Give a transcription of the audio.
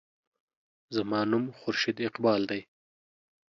زما نوم خورشید اقبال دے.